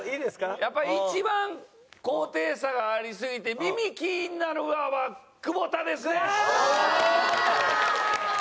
やっぱり一番高低差がありすぎて耳キーンなるわは久保田ですね！